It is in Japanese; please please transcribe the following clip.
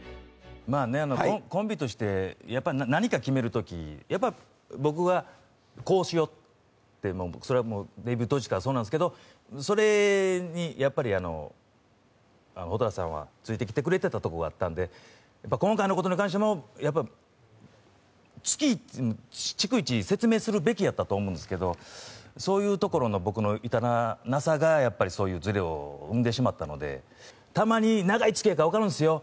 コンビとして、やっぱり何か決めるとき、やっぱ僕はこうしようっていうのを、それはデビュー当時からそうなんですけど、それにやっぱり蛍原さんはついてきてくれてたとこがあったんで、やっぱり今回のことに関しても、やっぱり逐一、説明するべきやったと思うんですけど、そういうところの僕の至らなさが、やっぱりそういうずれを生んでしまったので、たまに、長いつきあいだから分かるんですよ。